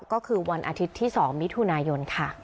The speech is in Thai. ก็คือวันอาทิตย์ที่๒มิถุนายนค่ะ